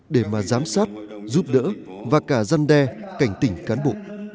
để mà giám sát giúp đỡ và cả dân đe cảnh tỉnh cán bộ